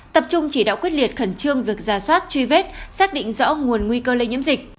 tập trung chỉ đạo quyết liệt khẩn trương việc ra soát truy vết xác định rõ nguồn nguy cơ lây nhiễm dịch